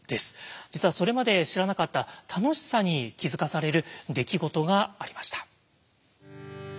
実はそれまで知らなかった楽しさに気付かされる出来事がありました。